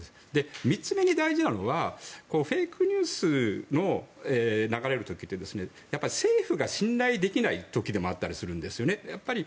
３つ目に大事なのはフェイクニュースが流れる時というのは政府が信頼できない時でもあったりするんですね。